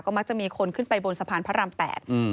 มักจะมีคนขึ้นไปบนสะพานพระราม๘